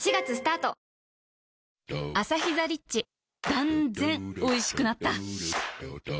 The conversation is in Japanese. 断然おいしくなった